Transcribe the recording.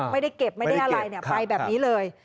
ไม่ได้เก็บไม่ได้อะไรไปแบบนี้เลย